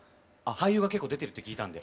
俳優が結構出てるって聞いたんで。